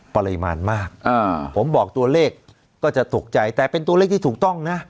ปริมาณมากผมบอกตัวเลขก็จะตกใจแต่เป็นตัวเลขที่ถูกต้องนะ